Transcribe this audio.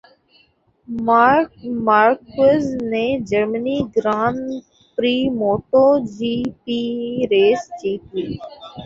mark Marquez نے جرمنی Grand Prix motto جی پی race جیت لی